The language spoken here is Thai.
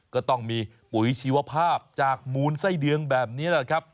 ก็ต้องมีปุ๋ยชีวภาพจากมูลไส้เดือนแบบนี้แหละครับ